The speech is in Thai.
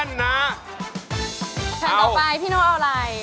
ชั้นต่อไปพี่น้องเอาอะไร